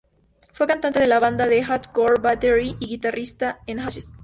Fue cantante de la banda de hardcore Battery y guitarrista en Ashes.